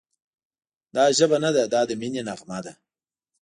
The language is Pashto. دا ژبه نه ده، دا د مینې نغمه ده»